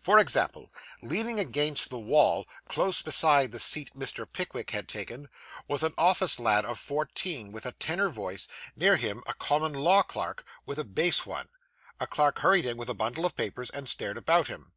For example. Leaning against the wall, close beside the seat Mr. Pickwick had taken, was an office lad of fourteen, with a tenor voice; near him a common law clerk with a bass one. A clerk hurried in with a bundle of papers, and stared about him.